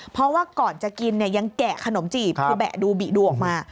เพราะว่าก่อนจะกินยังแกะขนมจีบแบะดูบิดวกมา